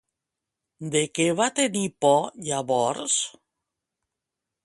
De què va tenir por llavors?